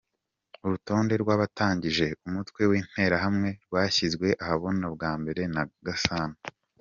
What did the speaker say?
Urutonde rw’abatangije umutwe w’Interahamwe rwashyizwe ahabona bwa mbere na Gasana.